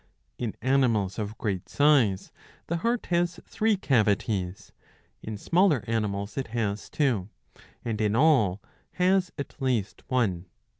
23 In animals of great size the heart ^^ has three cavities ; in smaller animals it has two ; and in all has at least one.